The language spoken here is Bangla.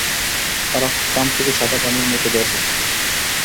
আর আজকে কান থেকে সাদা পানির মত বের হচ্ছে।